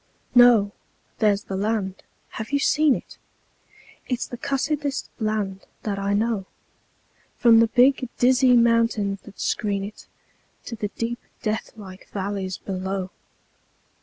No! There's the land. (Have you seen it?) It's the cussedest land that I know, From the big, dizzy mountains that screen it To the deep, deathlike valleys below.